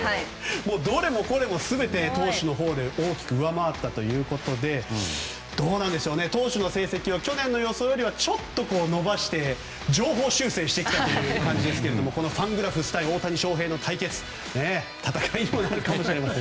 どれもこれも全て投手のほうで大きく上回ったということで投手の成績は去年の予想よりちょっと伸ばして上方修正してきた感じですけれどもこのファングラフスと大谷選手の対決戦いになるかもしれません。